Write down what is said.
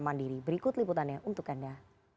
mandiri berikut liputannya untuk anda